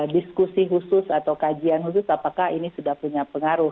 diskusi khusus atau kajian khusus apakah ini sudah punya pengaruh